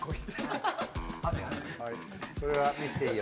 それは見せていいよ。